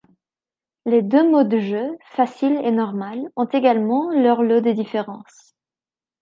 Les deux modes de jeu, facile et normal, ont également leur lot de différences.